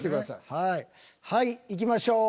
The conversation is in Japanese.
はいいきましょう。